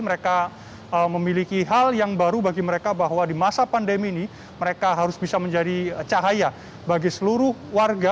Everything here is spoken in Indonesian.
mereka memiliki hal yang baru bagi mereka bahwa di masa pandemi ini mereka harus bisa menjadi cahaya bagi seluruh warga